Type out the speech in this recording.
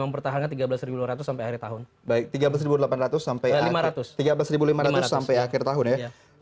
mempertahankan tiga belas dua ratus sampai akhir tahun baik tiga belas delapan ratus sampai empat ratus tiga belas lima ratus sampai akhir tahun ya